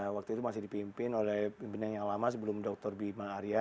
waktu itu masih dipimpin oleh pimpinan yang lama sebelum dr bima arya